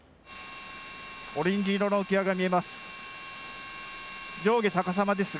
オレンジ色の浮き輪が見えます。